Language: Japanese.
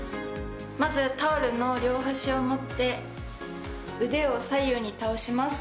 まずタオルの両端を持って腕を左右に倒します。